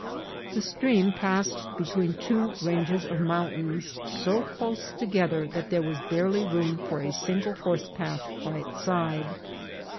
The stream passed between two ranges of mountains so close together that there was barely room for a single horsepath by its side.